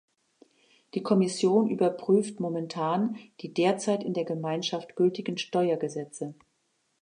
Die Kommission überprüft momentan die derzeit in der Gemeinschaft gültigen Steuergesetze.